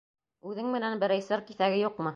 Үҙең менән берәй сыр киҫәге юҡмы?